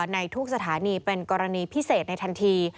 ในทุกสถานีเป็นกรณีพิเศษในทันที